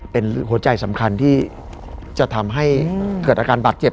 เป็นหัวใจสำคัญที่จะทำให้เกิดอาการบาดเจ็บ